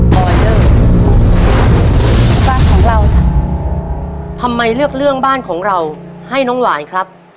ออเดอร์บ้านของเราจ้ะทำไมเลือกเรื่องบ้านของเราให้น้องหวานครับ